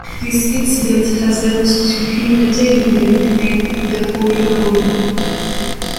This incident has led to him attaining the nickname "The Holy Goalie".